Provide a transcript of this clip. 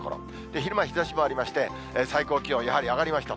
昼間は日ざしもありまして、最高気温、やはり上がりました。